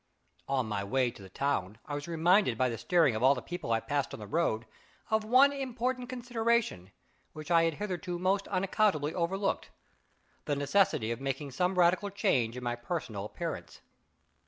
On my way to the town, I was reminded by the staring of all the people I passed on the road, of one important consideration which I had hitherto most unaccountably overlooked the necessity of making some radical change in my personal appearance.